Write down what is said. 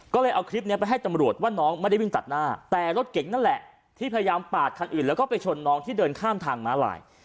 ก็เลยเอาคลิปนี้ไปให้ตำรวจว่าน้องไม่ได้วิ่งตัดหน้าแต่รถเก่งนั่นแหละที่พยายามปาดคันอื่นแล้วก็ไปชนน้องที่เดินข้ามทางม้าลาย